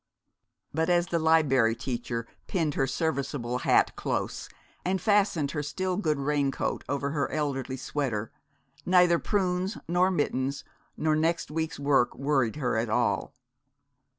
But as the Liberry Teacher pinned her serviceable hat close, and fastened her still good raincoat over her elderly sweater, neither prunes nor mittens nor next week's work worried her at all.